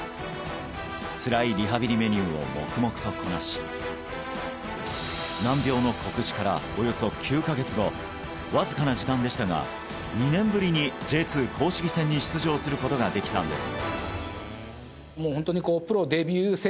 つらいリハビリメニューを黙々とこなし難病の告知からおよそ９カ月後わずかな時間でしたが２年ぶりにＪ２公式戦に出場することができたんです